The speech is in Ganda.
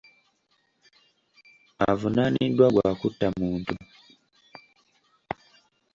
Avunaaniddwa gwa kutta muntu.